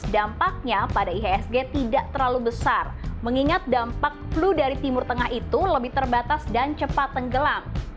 dampaknya pada ihsg tidak terlalu besar mengingat dampak flu dari timur tengah itu lebih terbatas dan cepat tenggelam